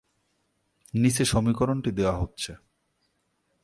নিচে সমীকরণটি দেয়া হচ্ছে।